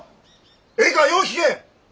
ええかよう聞け！